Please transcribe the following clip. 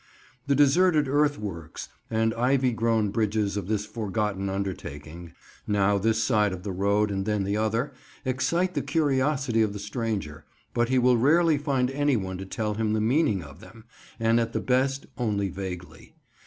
The deserted earthworks and ivy grown bridges of this forgotten undertaking, now this side of the road and then the other, excite the curiosity of the stranger, but he will rarely find anyone to tell him the meaning of them, and at the best only vaguely.